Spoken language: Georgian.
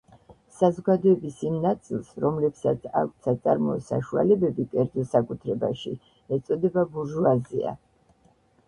საზოგადოების იმ ნაწილს, რომლებსაც აქვთ საწარმოო საშუალებები კერძო საკუთრებაში ეწოდება ბურჟუაზია.